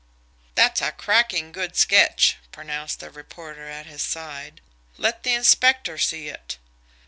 "That's a cracking good sketch!" pronounced the reporter at his side. "Let the inspector see it."